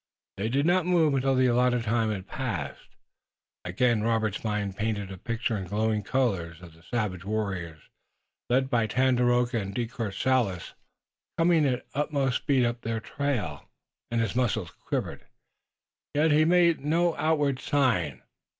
They did not move until the allotted time had passed. Again Robert's mind painted a picture in glowing colors of the savage warriors, led by Tandakora and De Courcelles, coming at utmost speed upon their trail, and his muscles quivered, yet he made no outward sign.